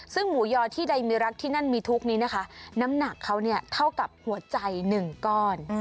ซึ่งหมูยอที่ใดมีรักที่นั่นมีทุกข์นี้นะคะน้ำหนักเขาเนี่ยเท่ากับหัวใจ๑ก้อน